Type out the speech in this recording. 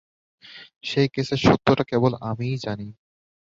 সেই কেসের সত্যটা কেবল আমিই জানি।